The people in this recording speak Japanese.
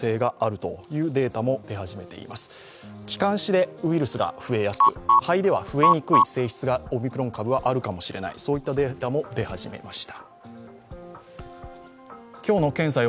気管支でウイルスが増えやすく、肺では増えにくい性質がオミクロン株はあるかもしれないというデータも出始めました。